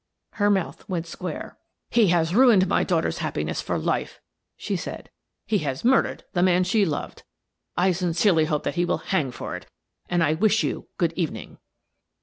Her mouth went square. " He has ruined my daughter's happiness for life," she said. " He has murdered the man she loved. I sincerely hope that he will hang for it, and I wish you good evening."